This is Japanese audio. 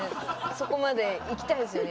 そこまでいきたいですよね